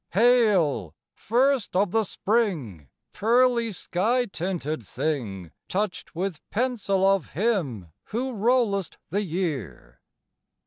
Hail, first of the spring, Pearly sky tinted thing Touched with pencil of Him Who rollest the year!